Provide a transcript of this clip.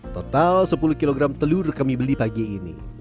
total sepuluh kg telur kami beli pagi ini